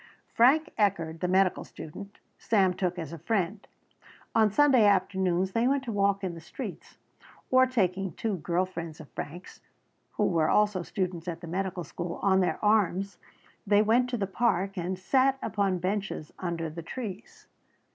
Frank Eckardt, the medical student, Sam took as a friend. On Sunday afternoons they went to walk in the streets, or, taking two girl friends of Frank's, who were also students at the medical school, on their arms, they went to the park and sat upon benches under the trees.